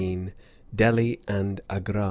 DELHI AND AGRA.